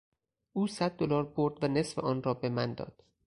او صد دلار برد و نصف آن را به من داد.